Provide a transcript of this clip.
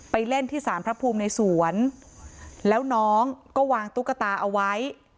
เล่นที่สารพระภูมิในสวนแล้วน้องก็วางตุ๊กตาเอาไว้